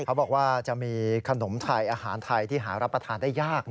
เขาบอกว่าจะมีขนมไทยอาหารไทยที่หารับประทานได้ยาก